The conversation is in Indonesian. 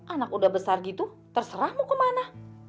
anak udah besar gitu terserah mau ke mana